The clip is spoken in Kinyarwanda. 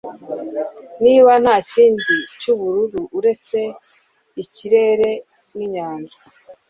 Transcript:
Niba nta kindi cyubururu uretse ikirere ninyanja